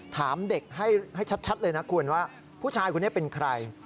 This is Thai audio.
ถามเด็กให้ชัดเลยนะคุณว่าผู้ชายคนนี้เป็นใคร